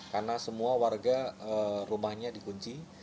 karena semua warga rumahnya di kunci